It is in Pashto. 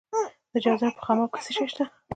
د جوزجان په خماب کې څه شی شته؟